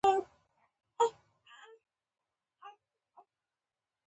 موږ خو به تنګ پر تا باندې راوړو.